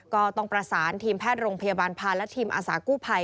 ก็ต้องประสานทีมแพทย์โรงพยาบาลพาและทีมอาสากู้ภัย